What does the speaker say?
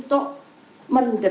saya bisa keluar